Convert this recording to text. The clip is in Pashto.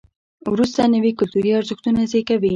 وروسته نوي کلتوري ارزښتونه زیږېږي.